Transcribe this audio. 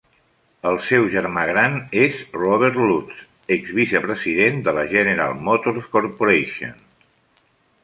El seu germà gran és Robert Lutz, ex-vicepresident de la General Motors Corporation.